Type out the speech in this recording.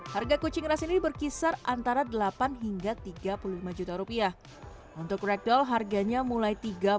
harga kucing ras ini berkisar antara delapan hingga tiga puluh lima juta rupiah untuk rekdol harganya mulai